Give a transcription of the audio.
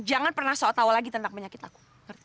jangan pernah sok tau lagi tentang penyakit aku